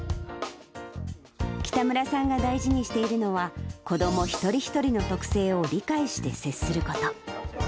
北村さんが大事にしているのは、子ども一人一人の特性を理解して接すること。